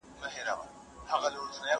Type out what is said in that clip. موږ بايد د کلمو په مانا ځان پوه کړو.